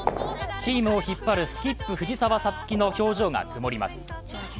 チームを引っ張るスキップ、藤澤五月の表情が曇ります。